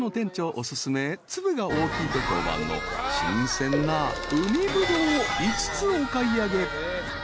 お薦め粒が大きいと評判の新鮮な海ぶどうを５つお買い上げ］